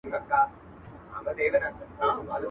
ته به پر ګرځې د وطن هره کوڅه به ستاوي.